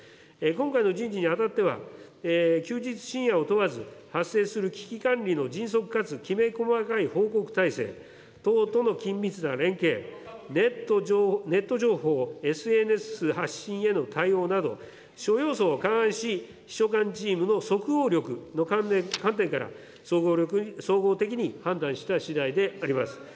今回の人事にあたっては、休日、深夜を問わず、発生する危機管理の迅速かつきめ細かい報告体制、党との緊密な連携、ネット情報、ＳＮＳ発信への対応など、諸要素を勘案し、秘書官チームの即応力の観点から、総合的に判断した次第であります。